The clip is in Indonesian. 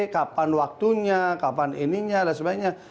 kapan waktunya kapan ininya dan sebagainya